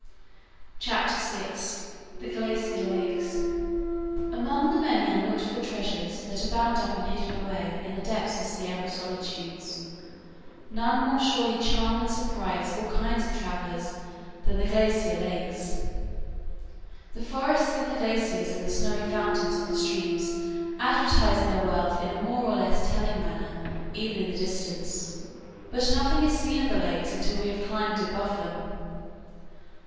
] CHAPTER VI THE GLACIER LAKES Among the many unlooked for treasures that are bound up and hidden away in the depths of Sierra solitudes, none more surely charm and surprise all kinds of travelers than the glacier lakes. The forests and the glaciers and the snowy fountains of the streams advertise their wealth in a more or less telling manner even in the distance, but nothing is seen of the lakes until we have climbed above them.